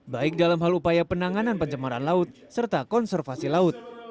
baik dalam hal upaya penanganan pencemaran laut serta konservasi laut